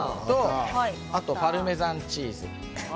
あと、パルメザンチーズ。